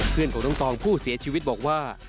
เพื่อนของน้องตองผู้เสียชีวิตบอกว่า